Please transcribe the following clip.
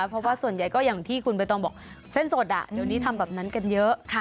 เพราะว่าส่วนใหญ่ก็อย่างที่คุณใบตองบอกเส้นสดเดี๋ยวนี้ทำแบบนั้นกันเยอะ